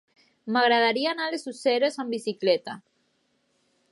M'agradaria anar a les Useres amb bicicleta.